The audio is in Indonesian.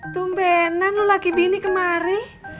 tumbenan lo lagi bini kemari